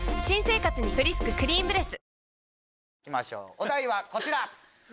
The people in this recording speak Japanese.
お題はこちら。